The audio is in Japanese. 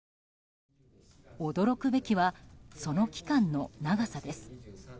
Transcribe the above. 驚くべきはその期間の長さです。